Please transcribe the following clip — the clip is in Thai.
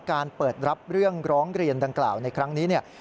การเปิดรับเรื่องร้องเรียนดังกล่าวในครั้งนี้เนี่ย